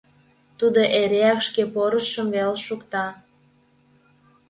Тудо эреак шке порысшым веле шукта.